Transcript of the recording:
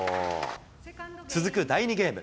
続く第２ゲーム。